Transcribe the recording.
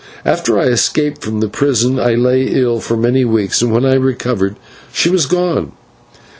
After I escaped from the prison I lay ill for many weeks, and when I recovered she was gone.